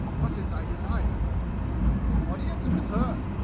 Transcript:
"What is thy desire?" "Audience with her!"